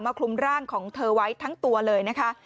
คลุมร่างของเธอไว้ทั้งตัวเลยนะคะ